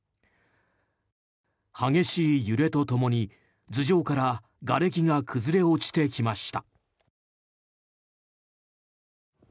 激しい揺れとともに、頭上からがれきが崩れ落ちてきました。